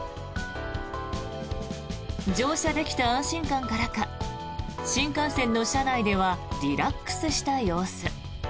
乗車できた安心感からか新幹線の車内ではリラックスした様子。